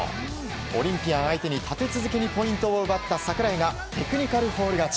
オリンピアン相手に立て続けにポイントを奪った櫻井がテクニカルフォール勝ち。